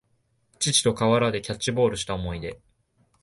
父と河原でキャッチボールした思い出